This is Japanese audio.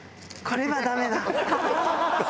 これはダメだ！